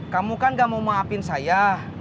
kamu kan gak mau maafin saya